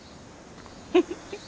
フフフッ。